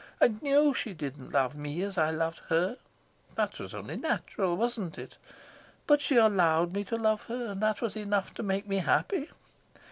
I knew she didn't love me as I loved her. That was only natural, wasn't it? But she allowed me to love her, and that was enough to make me happy.